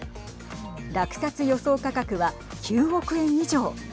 落札予想価格は９億円以上。